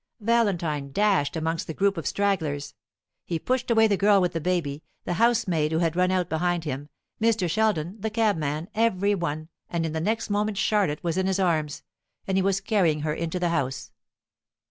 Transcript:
Valentine dashed amongst the group of stragglers. He pushed away the girl with the baby, the housemaid who had run out behind him, Mr. Sheldon, the cabman, every one; and in the next moment Charlotte was in his arms, and he was carrying her into the house.